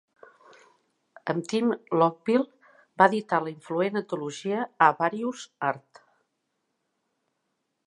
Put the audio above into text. Amb Tim Longville va editar la influent antologia A Various Art.